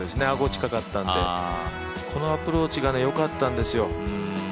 アゴが近かったのでこのアプローチがよかったんです。